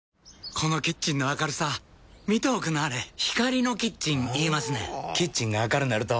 このキッチンの明るさ見ておくんなはれ光のキッチン言いますねんほぉキッチンが明るなると・・・